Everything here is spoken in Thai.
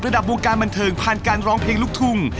วงการบันเทิงผ่านการร้องเพลงลูกทุ่ง